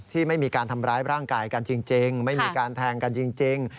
ไม่มีการทำร้ายร่างกายกันจริงไม่มีการแทงกันจริง